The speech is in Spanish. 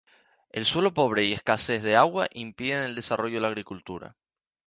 El suelo pobre y la escasez de agua impiden el desarrollo de la agricultura.